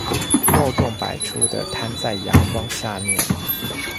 漏洞百出的攤在陽光下面